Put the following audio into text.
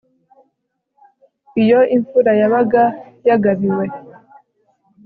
iyo imfura yabaga yagabiwe